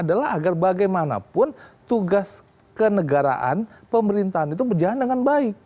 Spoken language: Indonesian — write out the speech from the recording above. adalah agar bagaimanapun tugas kenegaraan pemerintahan itu berjalan dengan baik